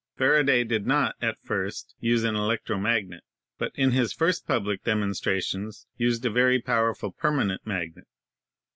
Faraday did not at first use an electro magnet, but in hi s first public demonstra tions used a very powerful permanent magnet.